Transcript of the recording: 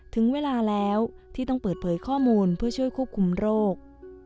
ถึงเวลาแล้วที่ต้องเปิดเผยข้อมูลเพื่อช่วยควบคุมโรค